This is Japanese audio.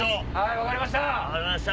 分かりました！